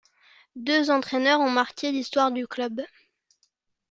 Deux entraineurs ont marqué l'histoire du club.